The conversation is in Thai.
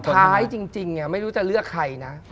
ท้ายจริงไม่รู้จะเลือกใครนะ